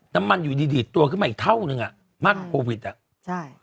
น้ำมันอยู่ดีดีดตัวขึ้นมาอีกเท่านึงอ่ะมากกว่าโควิดอ่ะใช่